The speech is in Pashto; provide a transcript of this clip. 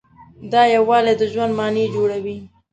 دا یووالی د ژوند معنی جوړوي.